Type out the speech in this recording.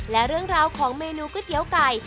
และเรื่องราวของเมนูก๋วยเตี๋ยวไก่